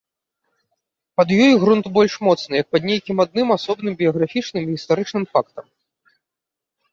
Пад ёй грунт больш моцны, як пад нейкім адным асобным біяграфічным і гістарычным фактам.